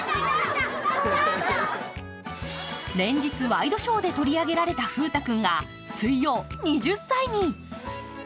連日、ワイドショーで取り上げられた風太君が、水曜、２０歳に。